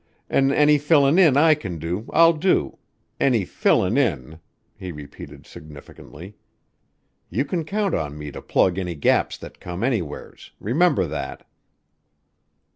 An' any fillin' in I can do, I'll do any fillin' in," he repeated significantly. "You can count on me to plug any gaps that come anywheres remember that."